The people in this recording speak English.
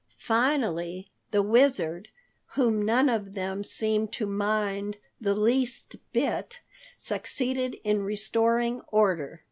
Finally the Wizard, whom none of them seemed to mind the least bit, succeeded in restoring order.